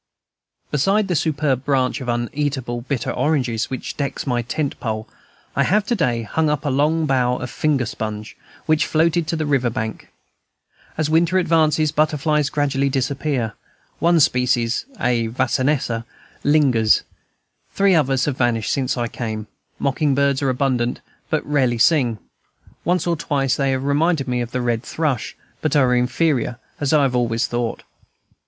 Beside the superb branch of uneatable bitter oranges which decks my tent pole, I have to day hung up a long bough of finger sponge, which floated to the river bank. As winter advances, butterflies gradually disappear: one species (a Vanessa) lingers; three others have vanished since I came. Mocking birds are abundant, but rarely sing; once or twice they have reminded me of the red thrush, but are inferior, as I have always thought.